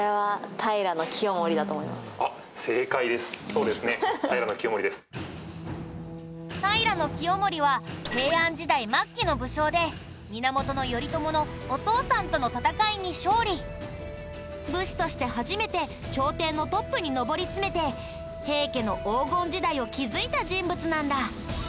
平清盛は武士として初めて朝廷のトップに上り詰めて平家の黄金時代を築いた人物なんだ。